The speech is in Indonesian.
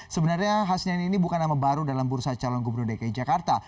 sebenarnya hasnani ini bukan nama baru dalam bursa calon gubernur dki jakarta